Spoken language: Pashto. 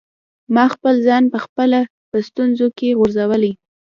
ما خپل ځان په خپله په ستونزو کي غورځولی.